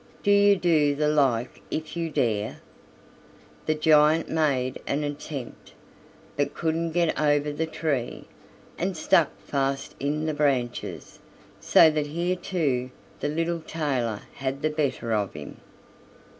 Do you do the like if you dare." The giant made an attempt, but couldn't get over the tree, and stuck fast in the branches, so that here too the little tailor had the better of him.